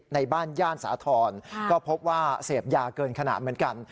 ในบ้านย่านสาธรณ์ก็พบว่าเสพยาเกินขนาดเหมือนกัน